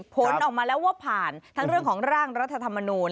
ผลออกมาแล้วว่าผ่านทั้งเรื่องของร่างรัฐธรรมนูล